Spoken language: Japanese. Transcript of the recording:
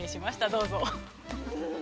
どうぞ。